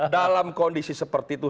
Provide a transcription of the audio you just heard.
dalam kondisi seperti itu